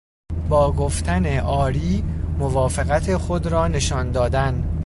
با گفتن "آری" موافقت خود را نشان دادن